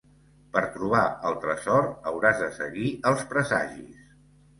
Per trobar el tresor, hauràs de seguir els presagis.